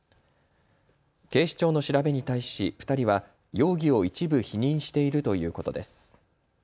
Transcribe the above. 警視庁の調べに対し２人は容疑を一部否認しているということです。